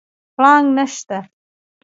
پړانګ نشته